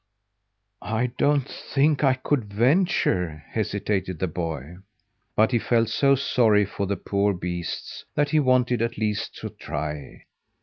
"I don't think I could venture " hesitated the boy. But he felt so sorry for the poor beasts that he wanted at least to try.